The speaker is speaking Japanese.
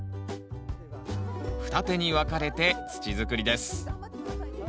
二手に分かれて土づくりです